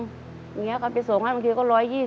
อย่างนี้เขาไปส่งให้บางทีก็๑๒๐